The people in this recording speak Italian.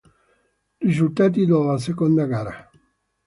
Risultati della seconda gara.